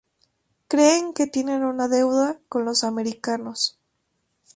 Creen que tienen una deuda con los americanos.